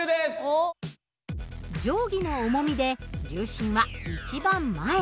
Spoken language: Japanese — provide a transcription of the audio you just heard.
定規の重みで重心は一番前。